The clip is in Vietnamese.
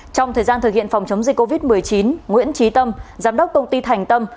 trong thời gian thực hiện phòng chống dịch covid một mươi chín nguyễn trí tâm giám đốc công ty thành tâm